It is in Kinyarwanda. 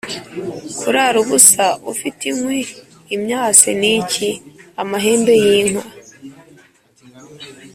Kurara ubusa ufite inkwi (imyase) ni iki ?-Amahembe y'inka.